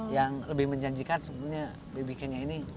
yang lebih menjanjikan sebenarnya bbk nya ini